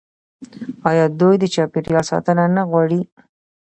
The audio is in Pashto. آیا دوی د چاپیریال ساتنه نه غواړي؟